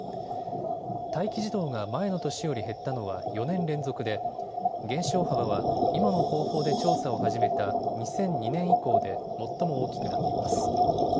待機児童が前の年より減ったのは４年連続で減少幅は今の方法で調査を始めた２００２年以降で最も大きくなっています。